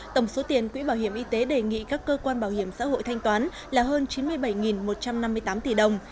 tổng số tiền quỹ bảo hiểm y tế đề nghị các cơ quan bảo hiểm xã hội thanh toán là hơn chín mươi bảy một trăm năm mươi tám tỷ đồng